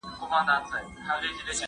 سياست تل د ټولني د رهبرۍ وسيله وه.